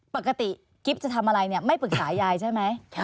ปกติกิ๊บจะทำอะไรเนี่ยไม่ปรึกษายายใช่ไหม